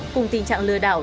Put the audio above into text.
cùng tình trạng lừa đảo